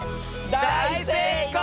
だいせいこう！